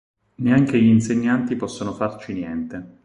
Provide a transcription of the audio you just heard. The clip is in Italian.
Neanche gli insegnanti possono farci niente.